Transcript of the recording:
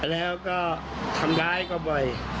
แล้วก็ทำร้ายเขาบ่อย